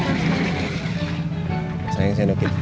aduh susah sendokin sendiri yaudah sih